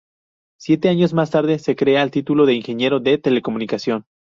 Siete años más tarde se crea el título de ingeniero de Telecomunicación.